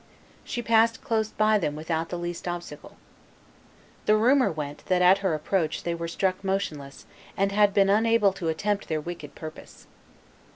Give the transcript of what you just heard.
She passed close by them without the least obstacle. The rumor went that at her approach they were struck motionless, and had been unable to attempt their wicked purpose.